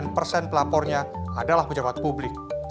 tiga puluh lima sembilan persen pelapornya adalah pejabat publik